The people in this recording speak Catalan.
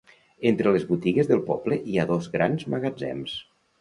Entre les botigues del poble hi ha dos grans magatzems.